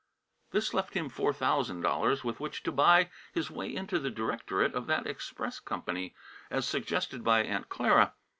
This left him four thousand dollars with which to buy his way into the directorate of that express company, as suggested by Aunt Clara.